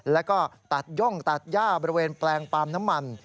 แล้วก็ตัดย่องตัดย่าบริเวณแปลงปาล์มน้ำมัน